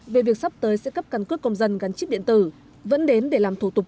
về việc sắp tới sẽ cấp căn cước công dân gắn chip điện tử vẫn đến để làm thủ tục